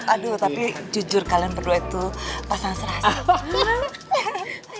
aduh tapi jujur kalian berdua itu pasang serasa